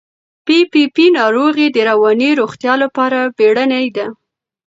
پي پي پي ناروغي د رواني روغتیا لپاره بیړنۍ ده.